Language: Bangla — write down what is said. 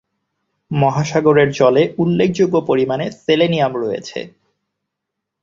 মহাসাগরের জলে উল্লেখযোগ্য পরিমাণে সেলেনিয়াম রয়েছে।